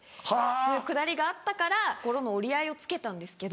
そういうくだりがあったから心の折り合いをつけたんですけど。